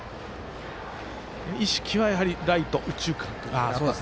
意識はライト、右中間ですか。